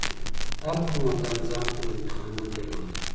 هر قومندان ځان ته بنديخانه درلوده.